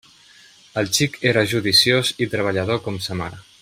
El xic era judiciós i treballador com sa mare.